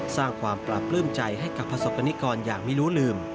สร้างความปรับปลื้มใจให้กับพระศักดิ์กรอย่างมิลุลืม